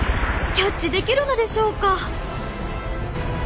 キャッチできるのでしょうか？